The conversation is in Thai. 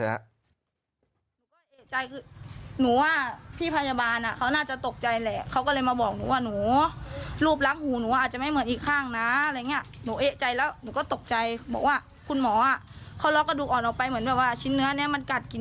เอาลองฟังเถอะครับ